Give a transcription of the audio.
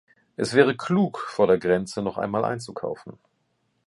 Es wäre klug, vor der Grenze noch einmal einzukaufen.